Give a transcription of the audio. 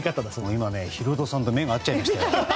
今、ヒロドさんと目が合っちゃいました。